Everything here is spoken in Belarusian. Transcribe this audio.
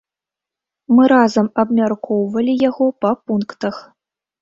Мы разам абмяркоўвалі яго па пунктах.